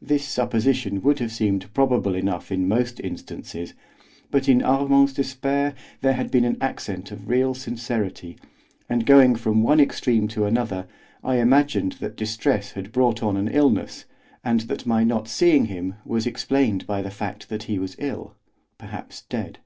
This supposition would have seemed probable enough in most instances, but in Armand's despair there had been an accent of real sincerity, and, going from one extreme to another, I imagined that distress had brought on an illness, and that my not seeing him was explained by the fact that he was ill, perhaps dead.